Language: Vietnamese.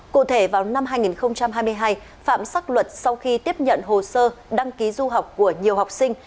cụ thể vào năm hai nghìn hai mươi hai phạm sắc luật sau khi tiếp nhận hồ sơ đăng ký du học của nhiều học sinh